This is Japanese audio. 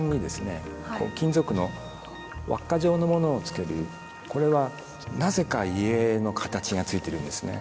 金属の輪っか状のものをつけるこれはなぜか家の形がついているんですね。